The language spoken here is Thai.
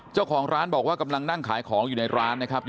เจ้าของร้านบอกว่ากำลังนั่งขายของอยู่ในร้านนะครับ